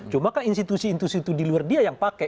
cuma kan institusi institusi itu di luar dia yang pakai